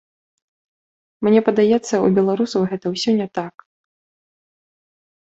Мне падаецца, у беларусаў гэта ўсё не так.